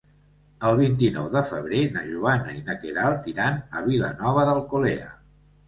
El vint-i-nou de febrer na Joana i na Queralt iran a Vilanova d'Alcolea.